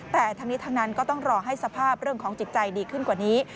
แต่ทั้งนี้ทั้งนั้นก็ต้องรอให้สภาพเรื่องของจิตใจดีขึ้นกว่านี้